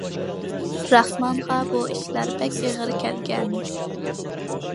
راخمانغا بۇ ئىشلار بەك ئېغىر كەلگەن.